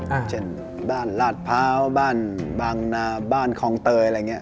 อ่าเช่นบ้านลาดพร้าวบ้านบางนาบ้านคองเตยอะไรเงี้ย